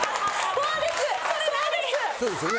そうですよね。